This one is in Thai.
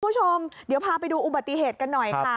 คุณผู้ชมเดี๋ยวพาไปดูอุบัติเหตุกันหน่อยค่ะ